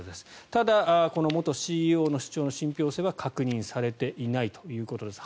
ただ、この元ＣＥＯの主張の信ぴょう性は確認されていないということです。